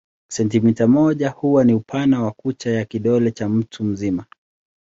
Sentimita moja huwa ni upana wa kucha ya kidole cha mtu mzima.